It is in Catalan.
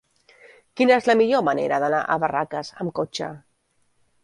Quina és la millor manera d'anar a Barraques amb cotxe?